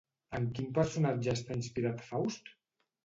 En quin personatge està inspirat Faust?